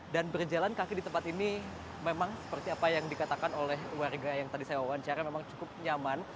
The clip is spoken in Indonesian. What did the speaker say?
dan berjalan kaki di tempat ini memang seperti apa yang dikatakan oleh warga yang tadi saya wawancara memang cukup nyaman